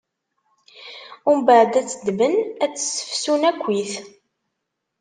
Umbeɛd ad tt-ddmen, ad tt-ssefsun akkit.